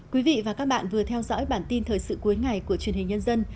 quý vị và các bạn vừa theo dõi bản tin thời sự cuối ngày của truyền hình nhân dân